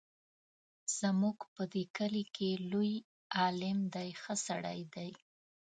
زموږ په دې کلي کې لوی عالم دی ښه سړی دی.